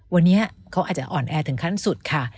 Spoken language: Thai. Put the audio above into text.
วันนี้เขาอาจจะอ่อนแอถึงขั้นสุดค่ะ